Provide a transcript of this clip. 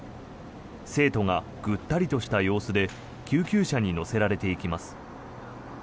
生徒がぐったりとした様子で救急車に乗せられていきます。